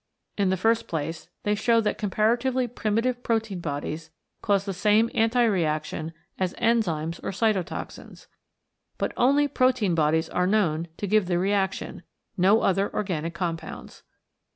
In the first place, they show that comparatively primitive protein bodies cause the same anti reaction as enzymes or cytotoxins. But only protein bodies are known to give the reaction, no other organic compounds.